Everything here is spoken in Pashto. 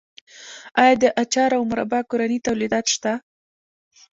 آیا د اچار او مربا کورني تولیدات شته؟